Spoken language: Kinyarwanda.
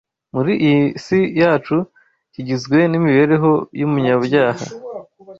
muri iyi si yacu kigizwe n’imibereho y’umunyabyaha